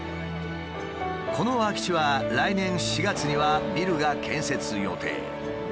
この空き地は来年４月にはビルが建設予定。